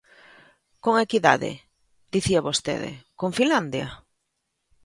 ¿Con equidade, dicía vostede, con Finlandia?